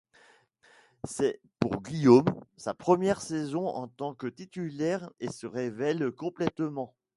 C'est pour Guillaume, sa première saison en tant que titulaire et se révèle complètement.